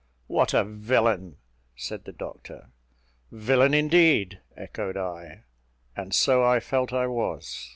"What a villain!" said the doctor. "Villain, indeed," echoed I; and so I felt I was.